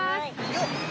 よっ。